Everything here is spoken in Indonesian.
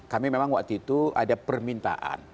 kami memang waktu itu ada permintaan